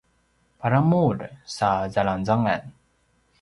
paramur sa zalangzangan